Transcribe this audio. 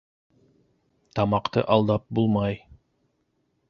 Тамаҡты алдап булмай.